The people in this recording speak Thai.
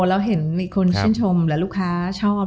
เราเห็นมีคนชื่นชมและลูกค้าชอบ